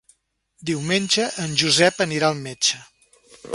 Diumenge en Josep anirà al metge.